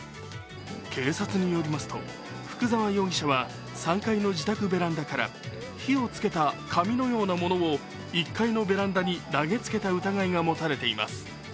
警察によりますと、福沢容疑者は３階の自宅ベランダから火をつけた紙のようなものを１階のベランダに投げつけた疑いが持たれています。